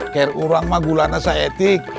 kayak orang mah gulana se etik